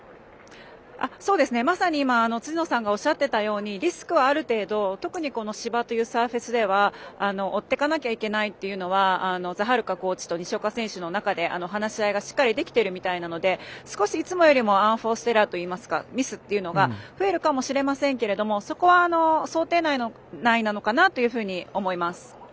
まさに辻野さんがおっしゃっていたようにリスクは、ある程度特に芝というサーフェスでは追ってかなきゃいけないっていうのはザハルカコーチと西岡選手の中で話し合いがしっかりできてるみたいなのでいつもよりもアンフォーストエラーっていうのがミスっていうのは増えるかもしれませんけれどそこは想定内なのかなというふうに思います。